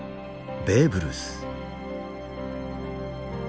ベーブ・ルース。